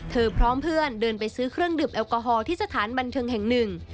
พร้อมเพื่อนเดินไปซื้อเครื่องดื่มแอลกอฮอลที่สถานบันเทิงแห่งหนึ่ง